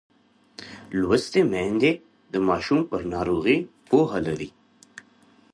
لوستې میندې د ماشوم پر ناروغۍ پوهه لري.